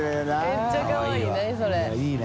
めっちゃかわいい何？